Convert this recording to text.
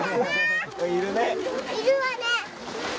いるわね。